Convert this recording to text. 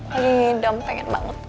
paling dom pengen banget